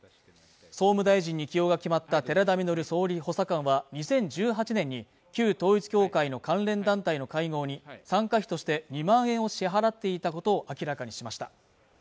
総務大臣に起用が決まった寺田稔総理補佐官は２０１８年に旧統一教会の関連団体の会合に参加費として２万円を支払っていたことを明らかにしました